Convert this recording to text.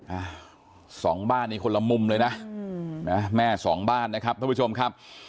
อ่าสองบ้านนี้คนละมุมเลยนะอืมนะแม่สองบ้านนะครับท่านผู้ชมครับ